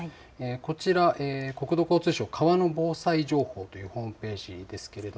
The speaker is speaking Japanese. こちら国土交通省川の防災情報というホームページです。